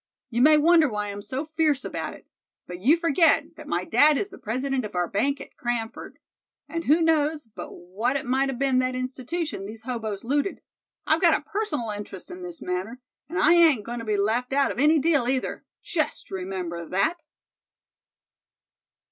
You may wonder why I'm so fierce about it; but you forget that my dad is the president of our bank at Cranford; and who knows but what it might a been that institution these hoboes looted. I've got a personal interest in this matter, and I ain't going to be left out of any deal either, just remember that!"